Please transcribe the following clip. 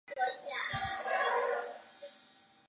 当选后并没有加入娱乐圈或签约无线电视。